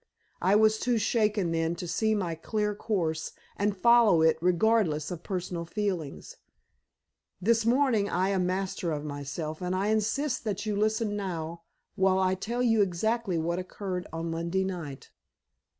I was too shaken then to see my clear course, and follow it regardless of personal feelings. This morning I am master of myself, and I insist that you listen now while I tell you exactly what occurred on Monday night."